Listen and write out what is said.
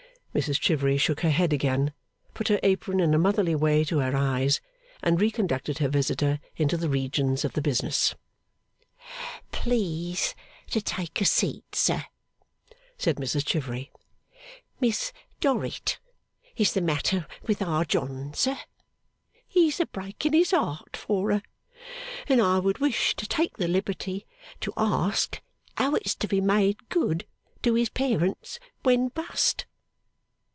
Mrs Chivery shook her head again, put her apron in a motherly way to her eyes, and reconducted her visitor into the regions of the business. 'Please to take a seat, sir,' said Mrs Chivery. 'Miss Dorrit is the matter with Our John, sir; he's a breaking his heart for her, and I would wish to take the liberty to ask how it's to be made good to his parents when bust?